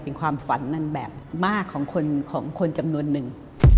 เป็นความฝันนั้นแบบมากของคนจำนวนหนึ่ง